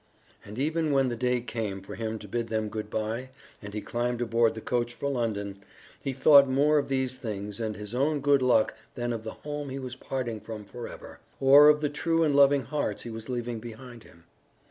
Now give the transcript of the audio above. And even when the day came for him to bid them good by and he climbed aboard the coach for London, he thought more of these things and his own good luck than of the home he was parting from for ever, or of the true and loving hearts he was leaving behind him.